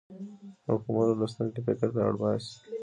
مفهومونه لوستونکی فکر ته اړ باسي.